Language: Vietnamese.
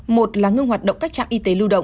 một là ngưng hoạt động các trạm y tế lưu động